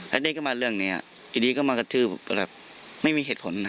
แล้วเด็กก็มาเรื่องนี้อยู่ดีก็มากระทืบแบบไม่มีเหตุผลนะ